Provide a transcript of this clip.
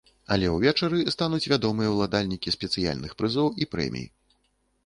Але ўвечары стануць вядомыя ўладальнікі спецыяльных прызоў і прэмій.